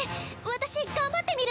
私頑張ってみる。